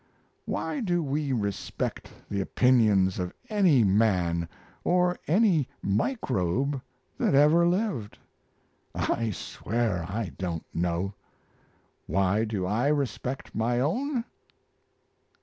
Why do we respect the opinions of any man or any microbe that ever lived? I swear I don't know. Why do I respect my own?